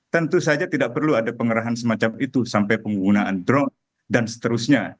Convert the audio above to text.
tentu saja tidak perlu ada pengerahan semacam itu sampai penggunaan drone dan seterusnya